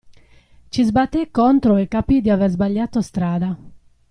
Ci sbatté contro e capì di aver sbagliato strada.